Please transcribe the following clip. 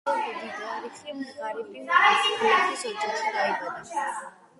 ზეპ დიტრიხი ღარიბი გლეხის ოჯახში დაიბადა.